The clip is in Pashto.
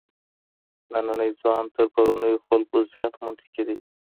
نننی ځوان تر پرونيو خلګو زيات منطقي دی.